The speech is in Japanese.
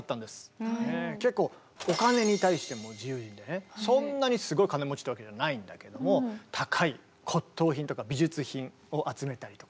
結構そんなにすごい金持ちってわけじゃないんだけども高い骨とう品とか美術品を集めたりとかね。